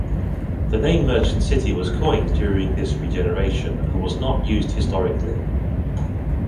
The name 'Merchant City' was coined during this regeneration and was not used historically.